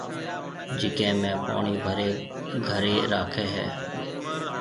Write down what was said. جڪَي ۾ پوڻِي ڀريَ گهري راکيَ هيَ۔